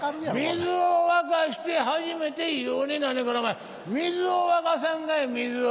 水を沸かして初めて湯になるんやからお前水を沸かさんかい水を。